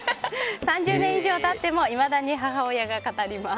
３０年以上経ってもいまだに母親が語ります。